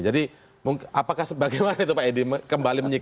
jadi apakah bagaimana itu pak edi kembali lagi